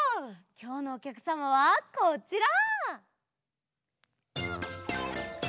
きょうのおきゃくさまはこちら！